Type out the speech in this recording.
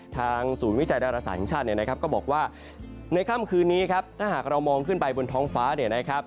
ทางศูนย์วิจัยดารสาธิติชาติก็บอกว่าในคำคืนนี้ถ้าหากเรามองขึ้นไปบนท้องฟ้า